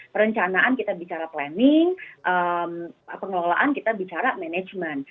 perencanaan kita bicara planning pengelolaan kita bicara management